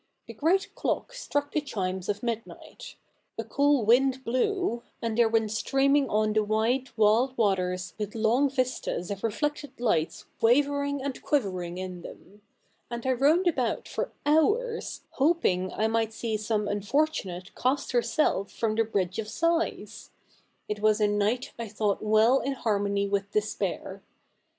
The great clock struck the chimes of midnight , a cool wind blew ; and there went streaming on the wide wild waters with long vistas of reflected lights wavering and quivering in them ; and I roamed about for hours, hoping I might see somt unfortunate cast herself from the Bridge of Sighs. It was a night I thought well in harmony with despair.